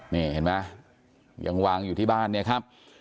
นี่เห็นไหมยังวางอยู่ที่บ้านเนี่ยครับ